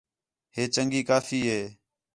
ہے چنڳی کافی ہے